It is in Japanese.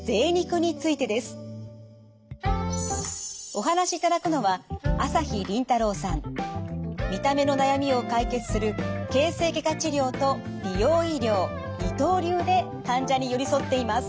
お話しいただくのは見た目の悩みを解決する形成外科治療と美容医療二刀流で患者に寄り添っています。